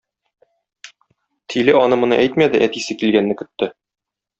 Тиле аны-моны әйтмәде, әтисе килгәнне көтте.